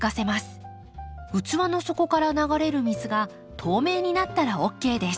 器の底から流れる水が透明になったらＯＫです。